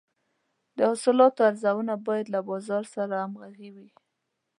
د حاصلاتو ارزونه باید له بازار سره همغږې وي.